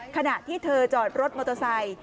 ขณะที่เธอจอดรถมอเตอร์ไซค์